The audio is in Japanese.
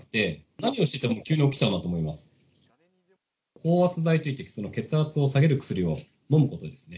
降圧剤と言って血圧を下げる薬を飲むことですね。